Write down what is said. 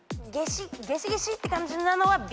ゲシゲシって感じなのは。